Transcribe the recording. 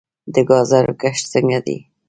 د ګازرو کښت څنګه دی؟